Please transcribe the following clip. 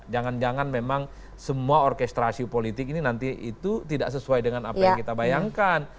jangan jangan memang semua orkestrasi politik ini nanti itu tidak sesuai dengan apa yang kita bayangkan